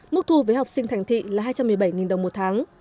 mức thu với học sinh thành thị là hai trăm một mươi bảy đồng một tháng